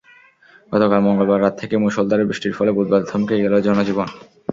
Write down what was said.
গতকাল মঙ্গলবার রাত থেকে মুষলধারে বৃষ্টির ফলে বুধবার থমকে গেল জনজীবন।